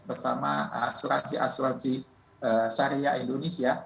bersama asuransi asuransi syariah indonesia